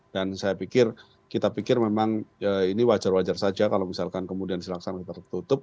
dan saya pikir kita pikir memang ini wajar wajar saja kalau misalkan kemudian silahkan tertutup